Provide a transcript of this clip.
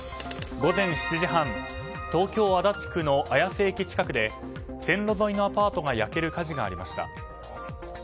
午前７時半東京・足立区の綾瀬駅近くで線路沿いのアパートが焼ける火事がありました。